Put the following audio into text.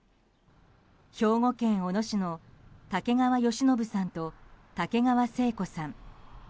兵庫県小野市の竹川好信さんと竹川生子さん。